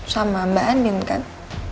sama mbak andin kan